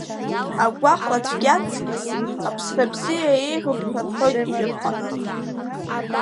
Агәаҟра цәгьа аҵкьыс, аԥсра бзиа еиӷьуп ҳәа рҳәоит, ижәаԥҟаны.